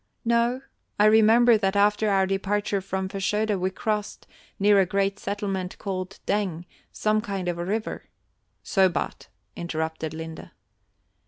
"No, I remember that after our departure from Fashoda we crossed, near a great settlement called Deng, some kind of a river." "Sobat," interrupted Linde.